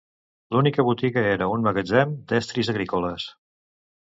L'única botiga era un magatzem d'estris agrícoles.